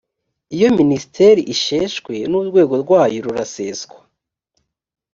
iyo minisiteri isheshwe n urwego rwayo ruraseswa